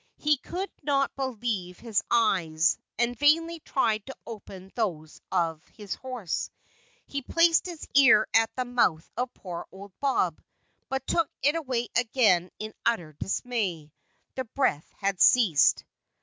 He could not believe his eyes, and vainly tried to open those of his horse. He placed his ear at the mouth of poor old Bob, but took it away again in utter dismay. The breath had ceased.